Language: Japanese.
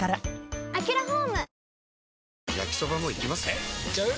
えいっちゃう？